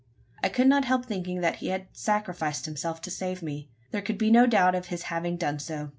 I could not help thinking that he had sacrificed himself to save me. There could be no doubt of his having done so.